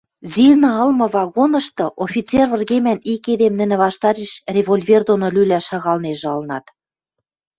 Зина ылмы вагонышты офицер выргемӓн ик эдем нӹнӹ ваштареш револьвер доно лӱлӓш шагалнежӹ ылынат